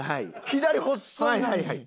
左ほっそい